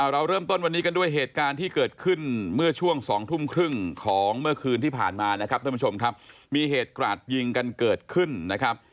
เราเริ่มต้นวันนี้กันด้วยเหตุการณ์ที่เกิดขึ้นเมื่อช่วง๒ทุ่มครึ่งของเมื่อคืนที่ผ่านมานะครับท่านผู้ชมครับมีเหตุกราดยิงกันเกิดขึ้นนะครับ